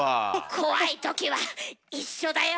怖い時は一緒だよ。